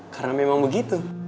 karena memang begitu